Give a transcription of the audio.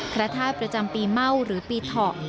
พระธาตุประจำปีเม่าหรือปีเถาะ